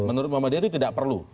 menurut muhammadiyah itu tidak perlu